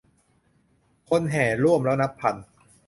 คนแห่ร่วมแล้วนับพัน